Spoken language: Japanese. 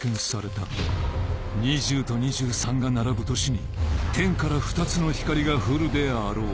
２０と２３が並ぶ年に天から２つの光が降るであろう